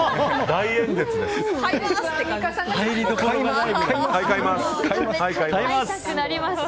大演説です。